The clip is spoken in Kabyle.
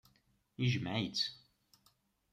Ijmeɛ-itt.